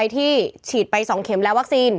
ที่ฉีดไป๒เข็มแล้ววัคซีน